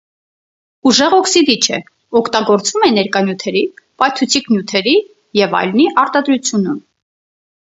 Ուժեղ օքսիդիչ է, օգտագործվում է ներկանյութերի, պայթուցիկ նյութերի ենի արտադրությունում։